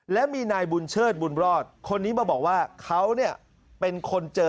และมีนายบุญเชิดบุญรอดคนนี้มาบอกว่าเขาเนี่ยเป็นคนเจอ